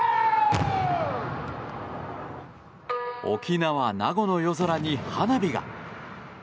沖縄・名護の夜空に花火が！